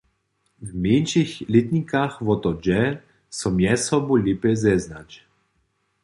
W mjeńšich lětnikach wo to dźe, so mjez sobu lěpje zeznać.